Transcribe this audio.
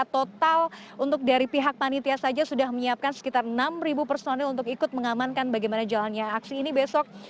total untuk dari pihak panitia saja sudah menyiapkan sekitar enam personil untuk ikut mengamankan bagaimana jalannya aksi ini besok